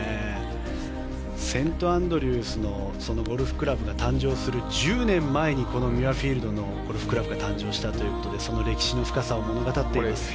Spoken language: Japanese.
セントアンドリュースのゴルフクラブが誕生する１０年前にこのミュアフィールドのゴルフクラブが誕生したということでその歴史の深さを物語っています。